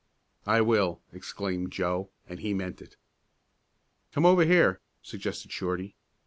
"I will!" exclaimed Joe, and he meant it. "Come over here," suggested Shorty.